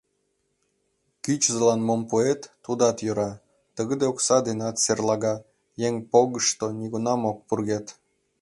Кӱчызылан мом пуэт — тудат йӧра, тыгыде окса денат серлага, еҥ погышто нигунам ок пургед.